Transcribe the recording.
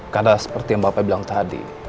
karena seperti yang bapak bilang tadi